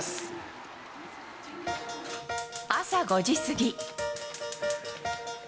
朝５時過ぎ。